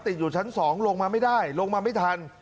ติดอยู่ชั้น๒ลงมาไม่ได้ลงมาไม่ทัน